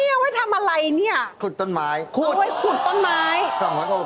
สวัสดีครับ